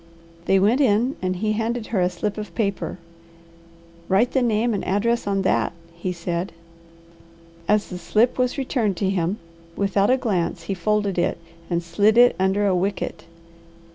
They went in and he handed her a slip of paper. "Write the name and address on that?" he said. As the slip was returned to him, without a glance he folded it and slid it under a wicket.